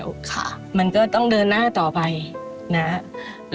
ลูกขาดแม่